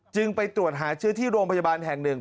ไปตรวจหาเชื้อที่โรงพยาบาลแห่งหนึ่ง